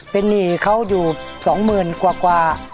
ไปหนีเขาอยู่สองหมื่นกว่า